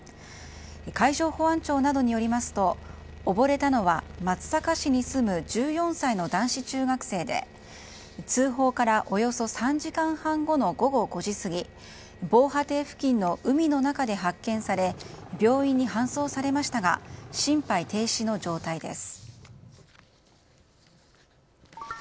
海上保安庁などによりますと溺れたのは松阪市に住む１４歳の男子中学生で通報からおよそ３時間半後の午後５時過ぎ防波堤付近の海の中で発見され病院に搬送されましたが心肺停止の状態です。